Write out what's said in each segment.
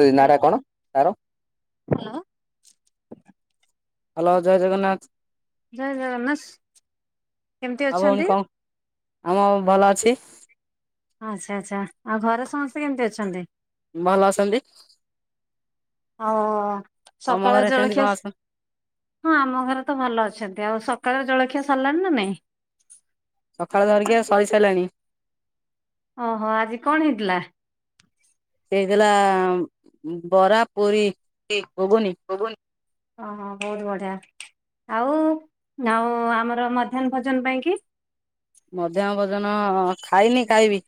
ତୁଇ ହାଲ ନାଡା କଣ ତାର? ହ୍ୟାଲୋ ହାଲୋ ଜୟ ଜଗନ୍ନାଥ୍। ଜୟ ଜୟନାଥ୍ କେମିତି ଅଛନ୍ତି? ଆଉ ମୁଁ ଭଲ ଅଛି। ଆଚ୍ଛା ଆଚ୍ଛା। ଆଉ ଘରେ ସମସ୍ତେ କେମିତି ଅଛନ୍ତି? ଭଲ୍ ଅସନ୍ତି। ଆଉ ତମ ସକାଳେ ଘରେ କେମିତି କଣ ଜଳଖିଆ ସ୍ ଅଛନ୍ତି? ହଁ ଆମ ଘରେ ତ ଭଲ ଅଛନ୍ତି। ଆଉ ସକାଳ ଜଳଖିଆ ସରିଲାଣି ନା ନାଇଁ? ସକାଳ ଜଳଖିଆ ସରିସାରିଲାଣି। ଓହୋ ଆଜି କଣ ହେଇଥିଲା? ହେଇଥିଲା ବରା ପୁରୀ। [inaudible] ହଁ ଘୁଗୁନି ହଁ ବହୁତ୍ ବଢିଆ। ଆଉ ନାଉ ଆମର ମଧ୍ୟାହ୍ନ ଭୋଜନ ପାଇଁ କି ମଧ୍ୟାହ୍ନ ଭୋଜନ ଖାଇନି କାଇବି।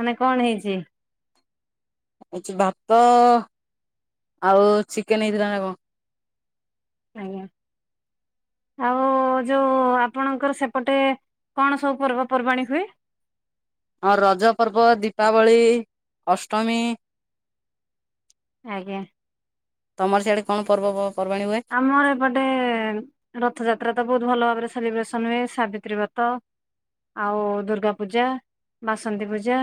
ମାନେ କଣ ହେଇଚି? ହେଉଚି ଭାତ ଆଉ ଚିକେନ୍ ହେଇଥିଲା ନା କଣ। ଆଜ୍ଞା। ଆଉ ଯୋଉ ଆପଣଙ୍କର ସେପଟେ କଣ ସବୁ ପର୍ବପର୍ବାଣି ହୁଏ? ହଁ ରଜ ପର୍ବ ଦୀପାବଳି ଅଷ୍ଟମୀ। ଆଜ୍ଞା। ତମର ସିଆଡେ କଣ ପର୍ବ ପର୍ବାଣି ହୁଏ? ଆମର ଏପଟେ ରଥଯାତ୍ରା ତ ବହୁତ୍ ଭଲ ଭାବରେ ସେଲିବ୍ରେସନ୍ ହୁଏ ସାବିତ୍ରୀ ବ୍ରତ ଆଉ ଦୁର୍ଗାପୂଜା ବାସନ୍ତୀ ପୂଜା।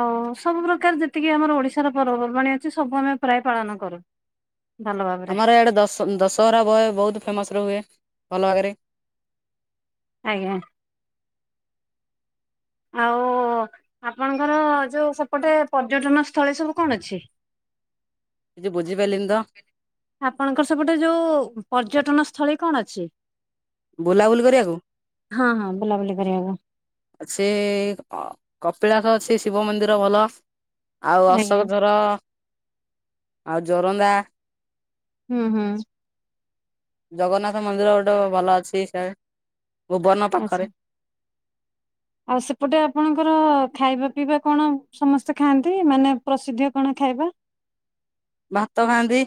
ଆଉ ସବୁପ୍ରକାର ଯେତିକି ଆମର ଓଡ଼ିଶାର ପର୍ବପର୍ବାଣି ଅଛି ସବୁ ଆମେ ପ୍ରାଏ ପାଳନ କରୁ। ଭଲ ଭାବରେ ଆମର ଇଆଡ଼େ ଦଶ୍ ଦଶହରା ବୟ ବହୁତ୍ ଫେମସ୍ରେ ହୁଏ ଭଲ ଆଗେରେ। ଆଜ୍ଞା। ଆଉ ଆପଣଙ୍କର ଯୋଉ ସେପଟେ ପର୍ଯ୍ୟଟନ ସ୍ଥଳୀ ସବୁ କଣ ଅଛି? କିଛି ବୁଝିପାରିଲିନି ତ? ଆପଣଙ୍କର ସେପଟେ ଯୋଉ ପର୍ଯ୍ୟଟନ ସ୍ଥଳୀ କଣ ଅଛି? ବୁଲାବୁଲି କରିଆକୁ? ହଁ ହଁ ବୁଲାବୁଲି କରିବାକୁ ଅଛି କପିଳାସ ଅଛି ଶିବ ମନ୍ଦିର ଭଲ। ଆଉ ଆଜ୍ଞା ଅଶୋକ ଧର ଆଉ ଜୋରନ୍ଦା। ହୁଁ ହୁଁ। ଜଗନ୍ନାଥ ମନ୍ଦିର ଗୋଟେ ଭଲ ଅଛି ସିଆଡେ ଭୁବର୍ଣ୍ନ ଆଚ୍ଛା। ପାଖରେ। ଆଉ ସେପଟେ ଆପଣଙ୍କର ଖାଇବା ପିଇବା କଣ ସମସ୍ତେ ଖାଆନ୍ତି ମାନେ ପ୍ରସିଦ୍ଧ କଣ ଖାଇବା? ଭାତ ଖାଆନ୍ତି।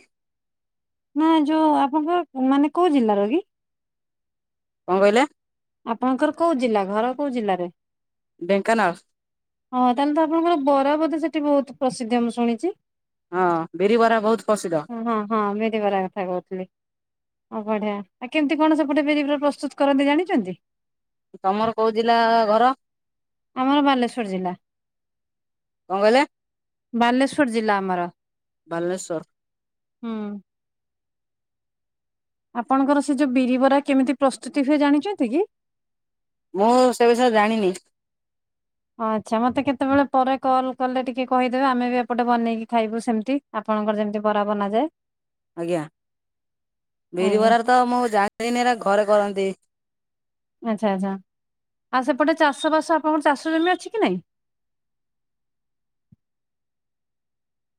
ନା ଯୋଉ ଆପଣଙ୍କ ମାନେ କୋଉ ଜିଲ୍ଲା ର କି? କଁ କଇଲେ? ଆପଣଙ୍କର କୋଉ ଜିଲ୍ଲା ଘର କୋଉ ଜିଲ୍ଲାରେ? ଢେଙ୍କାନାଳ। ହଁ ତାଏଲେ ତ ଆପଣଙ୍କର ବରା ବୋଧେ ସେଠି ବହୁତ୍ ପ୍ରସିଦ୍ଧ ମୁଁ ଶୁଣିଚି। ହଁ ବିରି ବରା ବହୁତ ପ୍ରସିଦ୍ଧ। ହଁ ହଁ ବିରିବରା କଥା କହୁଥିଲି। ଆଉ ବଢିଆ ଆଉ କେମିତି କଣ ସେପଟେ ବିରି ଉପରେ ପ୍ରସ୍ତୁତ କରନ୍ତି ଜାଣିଛନ୍ତି? ତମର କୋଉ ଜିଲ୍ଲା ଘର? ଆମର ବାଲେସ୍ୱର ଜିଲ୍ଲା କଣ କହିଲେ ବାଲେସ୍ୱର ଜିଲ୍ଲା ଆମର। ବାଲେସ୍ୱର। ହୁଁ। ଆପଣଙ୍କର ସେ ଯୋଉ ବିରିିବରା କେମିତି ପ୍ରସ୍ତୁତି ହୁଏ ଜାଣିଛନ୍ତି କି? ମୁଁ ସେ ବିଷୟରେ ଜାଣିନି। ଆଚ୍ଛା ମତେ କେତେବେଳେ ପରେ କଲ୍ କଲେ ଟିକେ କହିଦେବେ ଆମେ ବି ଏପଟେ ବନେଇକି ଖାଇବୁ ସେମିତି। ଆପଣଙ୍କର ଯେମିତି ବରା ବନାଯାଏ। ଆଜ୍ଞା ଆଜ୍ଞା ବିରିିବରାରେ ତ ମୁଁ ଯାଣିିନି ଏରା ଘରେ କରନ୍ତି। ଆଚ୍ଛା ଆଚ୍ଛା ଆଉ ସେପଟେ ଚାଷବାସ ଆପଣଙ୍କର ଚାଷ ଜମି ଅଛି କି ନାଇ?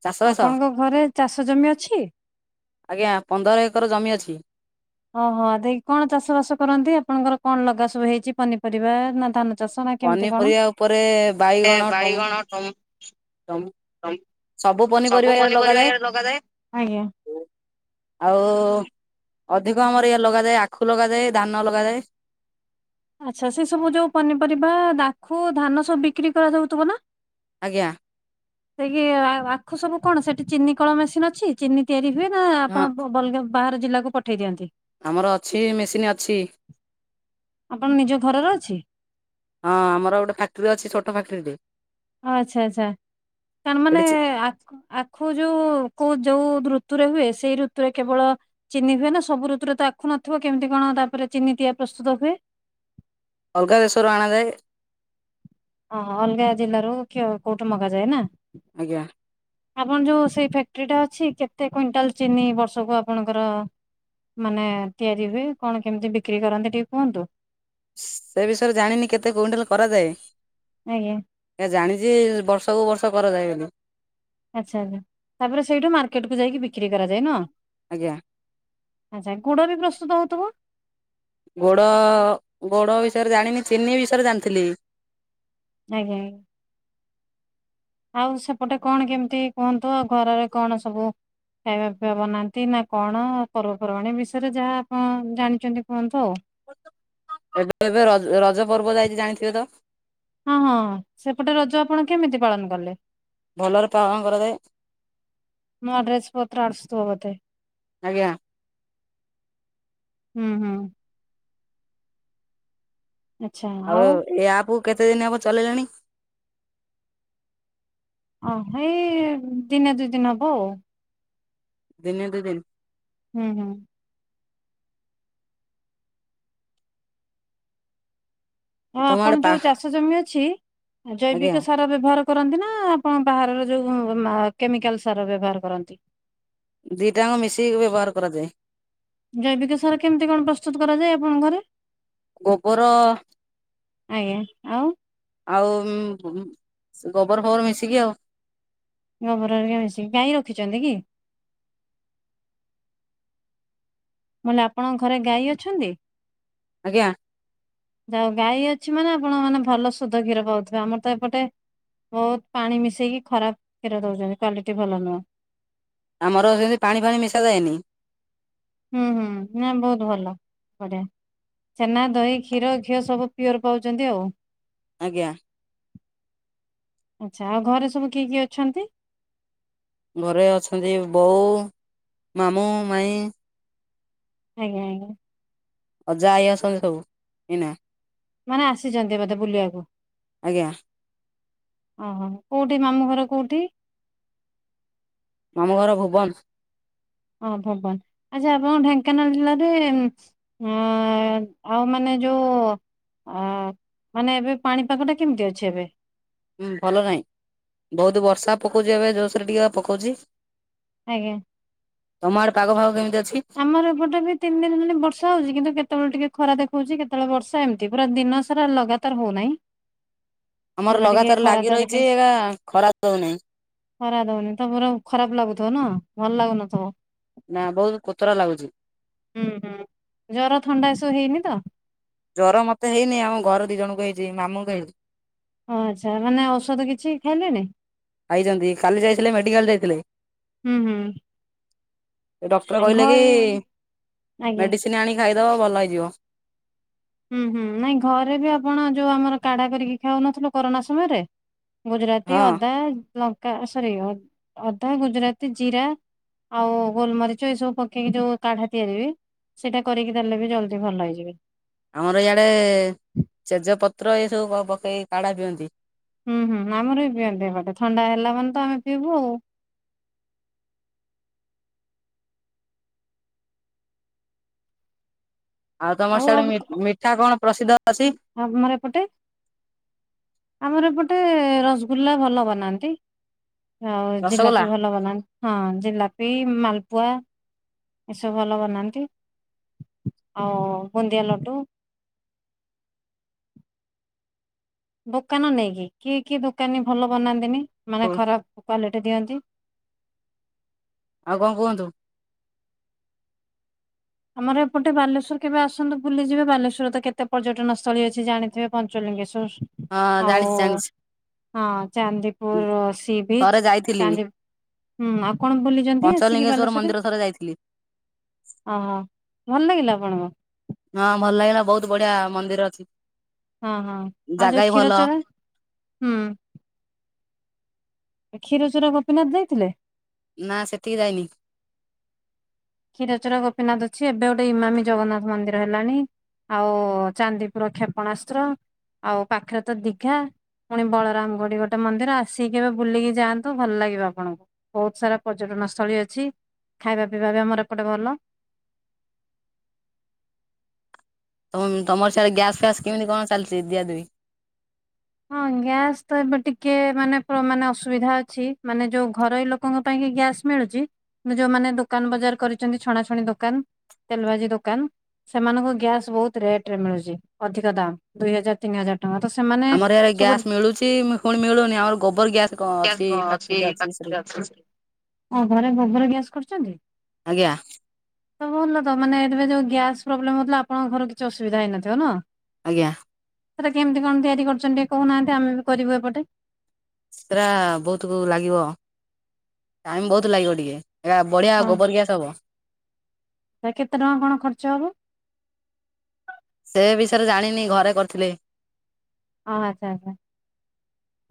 ଚାଷ ବାସ ଆପଣଙ୍କ ଘରେ ଚାଷ ଜମି ଅଛି? ଆଜ୍ଞା ପନ୍ଦର ଏକର ଜମି ଅଛି। ଓହୋ ଦେଖି କଣ ଚାଷ ବାସ କରନ୍ତି ଆପଣଙ୍କର କଣ ଲଗା ସବୁ ହେଇଛି ପନିପରିବା ନା ଧାନ ଚାଷ ନା କେମିତି କଣ ପନିପରିବା ଉପରେ ସେ ବାଇଗଣ ଟମ୍ ତମ [unintelligible] ସବୁ ପନିପରିବା ଇଆଡେ ଲଗାଯାଏ। ଆଜ୍ଞା। ଆଉ ଅଧିକ ଆମର ଇଆ ଲଗାଯାଏ ଆଖୁ ଲଗାଯାଏ ଧାନ ଲଗାଯାଏ। ଆଚ୍ଛା ସେ ସବୁ ଯୋଉ ପନିପରିବା ଦାଖୁ ଧାନ ସବୁ ବିକ୍ରି କରାଯାଉଥିବ ନା? ଆଜ୍ଞା। ସେ କିି ଆଖୁ ସବୁ କଣ ସେଠି ଚିନି କଳ ମେସିନ ଅଛି ଚିନି ତିଆରି ହୁଏ ନା ହଁ ଆପଣ ବଲଗା ବାହାର ଜିଲ୍ଲାକୁ ପଠେଇ ଦିଅନ୍ତି। ଆମର ଅଛି ମେସିନ୍ ଅଛି। ଆପଣ ନିଜ ଘରର ଅଛି ହଁ ଆମର ଗୋଟେ ଫାକ୍ଟ୍ରି ଅଛି ଛୋଟ ଫକ୍ଟ୍ରି ଟେ। ଆଚ୍ଛା ଆଛା କଣ ମାନେ ଏଠି ଆଖ ଆଖା ଖୁ ଯୁ କୋଉ ଯୋଉ ଋତୁରେ ହୁଏ ସେଇ ଋତୁରେ କେବଳ ଚିନି ହୁଏ ନା ସବୁ ଋତୁର ତ ଆଖୁ ନଥିବ କେମିତି କଣ ତାପରେ ଚିନି ତିଆ ପ୍ରସ୍ତୁତ ହୁଏ? ଅଲଗାଦେଶରୁ ଅଣା ଯାଏ। ଓହ ଅଲଗା ଜିଲ୍ଲାରୁ କି କୋଉଠୁ ମଗାଯାଏ ନା? ଆଜ୍ଞା। ଆପଣ ଯୋଉ ସେଇ ଫ୍ୟାକ୍ଟ୍ରି ଟା ଅଛି କେତେ କୁଇଣ୍ଟାଲ ଚିନି ବର୍ଷକୁ ଆପଣଙ୍କର ମାନେ ତିଆରି ହୁଏ କଣ କେମିତି ବିକ୍ରି କରନ୍ତି ଟିକେ କୁହନ୍ତୁ? ସେ ବିଷୟରେ ଜାଣିନି କେତେ କୁଇଣ୍ଟାଲ କରାଯାଏ। ଆଜ୍ଞା। ଏ ଜାଣିଛି ବର୍ଷକୁ ବର୍ଷ କରାଯାଏ ବୋଲି। ଆଚ୍ଛା ଆଚ୍ଛା ତାପରେ ସେଇଠୁ ମାର୍କେଟକୁ ଯାଇକି ବିକ୍ରି କରାଯାଏ ନୁହଁ। ଆଜ୍ଞା। ଆଚ୍ଛା ଗୁଡ ବି ପ୍ରସ୍ତୁତ ହଉଥିବ? ଗୋଡ ଗୋଡ ବିଷୟରେ ଜାଣିନି ଚିନି ବିଷୟରେ ଜାଣିଥିଲି। ଆଜ୍ଞାଜ୍ା [unintelligible] ଆଉ ସେପଟେ କଣ କେମିତି କୁହନ୍ତୁ ଆଉ ଘରରେ କଣ ସବୁ ଖାଇବା ପିଇବା ବନାନ୍ତି ନା କଣ ପର୍ବପର୍ବାଣି ଏ ବିଷୟରେ ଯାହା ଆପଣ ଜାଣିଚନ୍ତି କୁହନ୍ତୁ ଆଉ। ଏବେ ଏବେ ର ରଜ ପର୍ବ ଯାଇଚି ଜାଣିଥିବେ ତ? ହଁ, ହଁ ସେପଟେ ରଜ ଆପଣ କେମିତି ପାଳନ କଲେ? ଭଲରେ ପାଳନ କରାଯାଏ। ନୂଆ ଡ୍ରେସ୍ ପତ୍ର ଆସୁଥିବ ବୋଧେ? ଆଜ୍ଞା। ହୁଁ, ହୁଁ। ଆଉ ଏ ଆପ କୁ କେତେ ଦିନ ହବ ଚଲେଇଲେଣି? ଅ ହେଇ ଦିନେ ଦୁଇ ଦିନ ହବ। ଦିନେ ଦୁଇ ଦିନ? ହୁଁ, ହୁଁ। ହଁ ତମ ଆଡେ ଆପଣ ପା ଯୋଉ ଚାଷ ଜମି ଅଛି ଆଜ୍ଞା ଜୈବିକ ସାର ବ୍ୟବହାର କରନ୍ତି ନା ଆପଣ ବାହାରର ଯୋଉ ଉ, ନା କେମିକାଲ ସାର ବ୍ୟବହାର କରନ୍ତି? ଦିଟାଙ୍କ ମିଶେଇକି ବ୍ୟବହାର କରାଯାଏ। ଜୈବିକ ସାର କେମିତି କଣ ପ୍ରସ୍ତୁତ କରାଯାଏ ଆପଣଙ୍କ ଘରେ? ଗୋବର ଆଜ୍ଞା ଆଉ। ଆଉ ଉଁ, ଉଁ, ସେ ଗୋବର ଫୋବର ମିଶିକି ଆଉ। ଗୋବର ହେରିକା ମିଶିକି। ଗାଈ ରଖିଛନ୍ତି କି? ମୁଁ କଇଲି ଆପଣଙ୍କ ଘରେ ଗାଈ ଅଛନ୍ତି? ଆଜ୍ଞା। ଯା ହଉ ଗାଈ ଅଛି ମାନେ ଆପଣ ମାନେ ଭଲ ସୁଧ କ୍ଷୀର ପାଉଥିବେ। ଆମର ତ ଏପଟେ ବହୁତ ପାଣି ମିଶେଇକି ଖରାପ କ୍ଷୀର ଦଉଚନ୍ତି କ୍ଵାଲିଟି ଭଲ ନୁହଁ। ଆମର ସେମିତି ପାଣି ଫାଣି ମିଶା ଯାଏନି। ହୁଁ, ହୁଁ ନା ବହୁତ ଭଲ ବଢିଆ। ଛେନା, ଦହି, କ୍ଷୀର, ଘିଅ ସବୁ ପିଓର୍ ପାଉଚନ୍ତି ଆଉ। ଆଜ୍ଞା। ଆଚ୍ଛା ଆଉ ଘରେ ସବୁ କିଏ କିଏ ଅଛନ୍ତି? ଘରେ ଅଛନ୍ତି ବୋଉ ମାମୁଁ ମାଇଁ ଆଜ୍ଞା, ଆଜ୍ଞା। ଅଜା ଆଇ ଅସନ୍ତି ସବୁ ଏଇନା। ମାନେ ଆସିଚନ୍ତି ବଧେ ବୁଲିଆକୁ? ଆଜ୍ଞା। ଓହୋ, କୋଉଠି ମାମୁଁ ଘର କୋଉଠି? ଆମ ଘର ଭୁବନ। ଓହୋ ଭୁବନ, ଆଚ୍ଛା ଆପଣ ଢେଙ୍କାନାଳ ଜିଲ୍ଲାରେ ଉଁ, ଆ, ଆ, ମାନେ ଯୋଉ ଅ, ମାନେ ଏବେ ପାଣିପାଗଟା କେମିତି ଅଛି ଏବେ? ଉଁ, ଭଲ ନାଇଁ। ବହୁତୁ ବର୍ଷା ପକଉଚି ଏବେ ଜୋରସରେ ଟିକେ ପକଉଛି। ଆଜ୍ଞା। ତୋମ ଆଡେ ପାଗ ଫାଗ କେମିତି ଅଛି? ଆମର ଏପଟେ ବି ତିନି ଦିନ ହେଲା ବର୍ଷା ହଉଚି କିନ୍ତୁ କେତେବେଳେ ଟିକେ ଖରା ଦେଖଉଚି କେତେବେଳେ ବର୍ଷା ଏମ ତି ପୁରା ଦିନ ସାରା ଲଗାତାର ହଉ ନାହିଁ। ଆମର ଲଗାତାର ଲାଗି ରହିଚି ଦେଖେଇଛି। ଏକା ଖରା ଦଉ ନାଇଁ। ଖରା ଦଉନି, ତୋମର ଖରାପ ଲାଗୁଥିବ ନା ଭଲ ଲାଗୁନଥିବ? ନା ବହୁତ କୋତୁରା ଲାଗୁଛି। ଉଁ, ହଁ ଜର ଥଣ୍ଡା ଏସବୁ ହେଇନି ତ? ଜର ମତେ ହେଇନି ଆମ ଘରେ ଦି ଜଣଙ୍କୁ ହେଇଛି ମାମୁଁ ଙ୍କୁ ହେଇଛି। ଓ ଆଚ୍ଛା ମାନେ ଔଷଧ କିଛି ଖାଇଲେଣି? ଖାଇଛନ୍ତି କାଲି ଯାଇଥିଲେ ମେଡିକାଲ୍ ଯାଇଥିଲେ। ହୁଁ ହୁଁ। ଏ ଡକ୍ଟର ଆଉ କହିଲେ କି ଘରେ ଆଜ୍ଞା। ମେଡ଼ିସିନ୍ ଆଣିି ଖାଇଦବ ଭଲ ହେଇଯିବ। ହୁଁ ହୁଁ ନାଇଁ ଘରେ ବି ଆପଣ ଯୋଉ ଆମର କାଢା କରିକି ଖାଉନଥିଲୁ କରୋନା ସମୟରେ ଗୁଜୁରାତି ହଁ ଅଦା ଲଙ୍କା ଏ ସରି ଅ ଅଦା ଗୁଜୁରାତି ଜିରା ଆଉ ଗୋଲ ମରିଚ ଏ ସବୁ ପକେଇକି ଯୋଉ କାଢା ତିଆରି ହୁଏ ସେଇଟା କରିକି ଦେଲେ ବି ଜଲ୍ଦି ଭଲ ହେଇଯିବେ। ଆମର ଇଆଡ଼େ ତେଜ ପତ୍ର ଏ ସବୁ କଁ ପକେଇ କାଢା ପିଅନ୍ତି। ହୁଁ ହୁଁ ଆମର ବି ପିଅନ୍ତି ଏପଟେ ଥଣ୍ଡା ହେଲା ମାନେ ତ ଆମେ ପିଇବୁ ଆଉ। ଆଉ ତମର ସିଆଡେ ମି ମିଠା କଣ ପ୍ରସିଦ୍ଧ ଅଛି। ଆମର ଏପଟେ ଆମର ଏପଟେ ରସଗୁଲା ଭଲ ବନାନ୍ତି ଆଉ ରସଗୋଲା ଜିଲାପି ଭଲ ବନା ହଁ ଜିଲାପି ମାଲପୁଆ ଏ ସବୁ ଭଲ ବନାନ୍ତି। ଆଉ ବୁନ୍ଦିଆ ଲଡୁ। ଦୋକାନ ନେଇକି କିଏ କିଏ ଦୋକାନୀ ଭଲ ବନାନ୍ତିନି ମାନେ ଖରାପ କ୍ଵାଲିଟି ଦିଅନ୍ତି। ଆଉ କଁ କୁହନ୍ତୁ? ଆମର ଏପଟେ ବାଲେଶ୍ଵର କେବେ ଆସନ୍ତୁ ବୁଲିଯିବେ ବାଲେଶ୍ଵରରେ ତ କେତେ ପର୍ଯ୍ୟଟନସ୍ଥଳୀ ଅଛି ଜାଣିଥିବେ ପଞ୍ଚଲିଙ୍ଗେଶ୍ଵର ହଁ ଆଉ ଜାଣିଛି ଜାଣିଛି ହଁ ଚାନ୍ଦିପୁର ସି ଥରେ ବିଚ୍ ଯାଇଥିଲି ଚାନ୍ଦି ହୁଁ ଆପଣ ବୁଲିଛନ୍ତି ଆସିକି ପଞ୍ଚଲିଙ୍ଗେଶ୍ଵର ବାଲେଶ୍ଵରରେ? ମନ୍ଦିର ଥରେ ଯାଇଥିଲି। ଓ ହୋ ଭଲ ଲାଗିଲା ଆପଣଙ୍କୁ? ହଁ ଭଲ ଲାଗିଲା ବହୁତ ବଢ଼ିଆ ମନ୍ଦିର ଅଛି। ହଁ ହଁ ଆଉ ଜାଗା ଯୋଉ ବି ଭଲ କ୍ଷୀରଚୋରା ହୁଁ ଏ କ୍ଷୀରଚୋରା ଗୋପୀନାଥ ଯାଇଥିଲେ? ନା ସେଠିକି ଯାଇନି। କ୍ଷୀରଚୋରା ଗୋପୀନାଥ ଅଛି ଏବେ ଗୋଟେ ଇମାମୀ ଜଗନ୍ନାଥ ମନ୍ଦିର ହେଲାଣି। ଆଉ ଚାନ୍ଦିପୁର କ୍ଷେପଣାସ୍ତ୍ର ଆଉ ପାଖରେ ତ ଦିଘା। ପୁଣି ବଳରାମ ବୋଲି ଗୋଟେ ମନ୍ଦିର ଆସିକି କେବେ ବୁଲିକି ଯାଆନ୍ତୁ ଭଲ ଲାଗିବ ଆପଣଙ୍କୁ। ବହୁତ ସାରା ପର୍ଯ୍ୟଟନସ୍ଥଳୀ ଅଛି ଖାଇବା ପିଇବା ବି ଆମର ଏପଟେ ଭଲ। ତମ ତମର ସିଆଡେ ଗ୍ୟାସ୍ ଫ୍ୟାସ୍ କେମିତି କଣ ଚାଲିଛି ଦିଆ ଦୁଇ? ହଁ ଗ୍ୟାସ୍ ତ ଏବେ ଟିକେ ମାନେ ପୋ ମାନେ ଅସୁବିଧା ଅଛି ମାନେ ଯୋଉ ଘରୋଇ ଲୋ ଲୋକଙ୍କ ପାଇଁ କି ଗ୍ୟାସ୍ ମିଳୁଛି କିନ୍ତୁ ଯୋଉ ମାନେ ଦୋକାନ ବଜାର କରିଛନ୍ତି ଛଣାଛଣି ଦୋକାନ ତେଲ ଭାଜି ଦୋକାନ ସେମାନଙ୍କୁ ଗ୍ୟାସ୍ ବହୁତ ରେଟ୍ ରେ ମିଳୁଛି ଅଧିକ ଦାମ୍ ଦୁଇ ହଜାର ତିନି ହଜାର ଟଙ୍କା ତ ସେମାନେ ସେଠାରେ ସବୁ ଗ୍ୟାସ୍ ମିଳୁଛି ମି ପୁଣି ମିଳୁନି ଆମର ଗୋବର ଗ୍ୟାସ୍ କଣ ଅଛି ଫ୍ୟାକ୍ଟ୍ରିଟା ଅଛି ସେଠି ଓ ଘରେ ଗୋବର ଗ୍ୟାସ୍ କରିଛନ୍ତି? ଆଜ୍ଞା ତ ଭଲ ତ ମାନେ ଏବେ ଯୋଉ ଗ୍ୟାସ୍ ପ୍ରୋବ୍ଲେମ୍ ହଉଥିଲା ଆପଣଙ୍କ ଘର କିଛି ଅସୁବିଧା ହେଇନଥିବ ନୁହଁ? ଆଜ୍ଞା। ସେଟା କେମିତି କଣ ତିଆରି କରୁଛନ୍ତି ଟିକେ କହୁନାହାନ୍ତି ଆମେ ବି କରିବୁ ଏପଟେ। ସେଟା ବହୁତ ଲାଗିବ ଟାଇମ୍ ବହୁତ ଲାଗିବ ଟିକେ। ଏଇଆ ବଢିଆ ଗୋବର ଗ୍ୟାସ୍ ହବ। ସେ କେତେ ଟଙ୍କା କଣ ଖର୍ଚ୍ଚ ହବ? ସେ ବିଷୟରେ ଜାଣିନି ଘରେ କରିଥିଲେ। ଓ ହୋ ଆଚ୍ଛା ଆଚ୍ଛା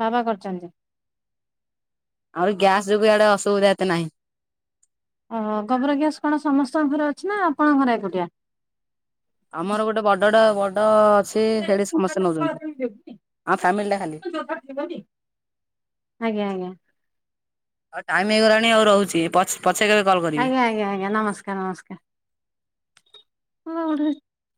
ବାବା କରିଛନ୍ତି? ଆମର ଗ୍ୟାସ୍ ଯୋଗୁଁ ଇଆଡେ ଅସୁବିଧା ଏତେ ନାହିଁ। ଓ ଗୋବର ଗ୍ୟାସ୍ କଣ ସମସ୍ତଙ୍କ ଘରେ ଅଛି ନା ଆପଣଙ୍କ ଘରେ ଏକୁଟିଆ। ଆମର ଗୋଟେ ବଡ଼ଡ ବଡ଼ ସେ ହେଡି ସମସେ ନଉଚନ୍ତି ଆମ ଫ୍ୟାମିଲିଟା ଖାଲି। ଆଜ୍ଞା ଆଜ୍ଞା। ଆଉ ଟାଇମ୍ ହେଇଗଲାଣି ହଉ ରହୁଛି ପଛ ପଛେ କେବେ କଲ୍ କ ଆଜ୍ଞା ଆଜ୍ଞା ଆଜ୍ଞା ନମସ୍କାର ନମସ୍କାର ଉଠୁରେ।